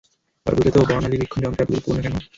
এবার বুঝলে তো, বর্ণালিবীক্ষণ যন্ত্র এত গুরুত্বপূর্ণ কেন?